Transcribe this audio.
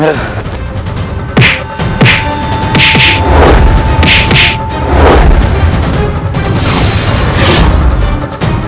terima kasih raden